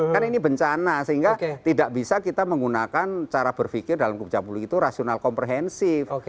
kan ini bencana sehingga tidak bisa kita menggunakan cara berpikir dalam kebijakan publik itu rasional komprehensif